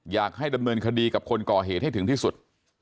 อยากให้ดำเนินคดีกับคนก่อเหตุให้ถึงที่สุด